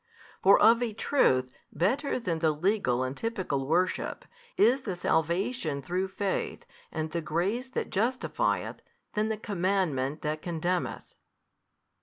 For of a truth better than the legal and typical worship is the salvation through faith and the grace that justifieth than the commandment that condemneth.